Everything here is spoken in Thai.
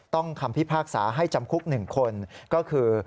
คำพิพากษาให้จำคุก๑คนก็คือ